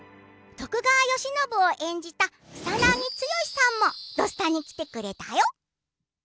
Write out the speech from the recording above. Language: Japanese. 徳川慶喜を演じた草なぎ剛さんも「土スタ」に来てくれたよ。